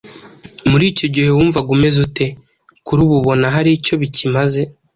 Muri icyo gihe wumvaga umeze ute? Kuri ubu ubona hari icyo bikimaze?